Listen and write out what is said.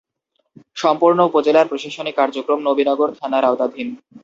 সম্পূর্ণ উপজেলার প্রশাসনিক কার্যক্রম নবীনগর থানার আওতাধীন।